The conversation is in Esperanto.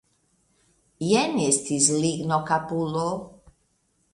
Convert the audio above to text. Jen estis lignokapulo.